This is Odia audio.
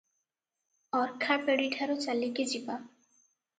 ଅର୍ଖାପେଡିଠାରୁ ଚାଲିକି ଯିବା ।